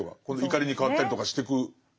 怒りに変わったりとかしてく。